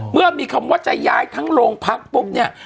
เมื่อมีคำว่าจะย้ายทั้งโรงพักปุ๊บเนี่ย